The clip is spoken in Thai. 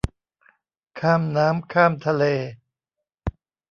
ข้ามน้ำข้ามทะเล